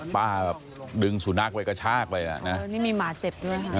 ป้าดึงสุนัขไปกระชากไปนะอ๋อนี่มีหมาเจ็บด้วยฮะ